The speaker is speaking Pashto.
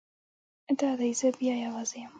دا دی زه بیا یوازې یم.